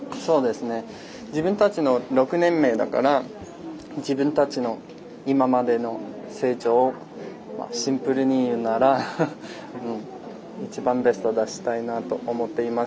自分たち６年目だから自分たちの今までの成長をシンプルに言うなら一番ベストを出したいなと思っています。